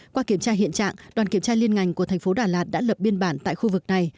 qua kiểm tra hiện trạng đoàn kiểm tra liên ngành của thành phố đà lạt đã lập biên bản tại khu vực này